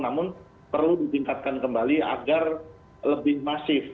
namun perlu ditingkatkan kembali agar lebih masif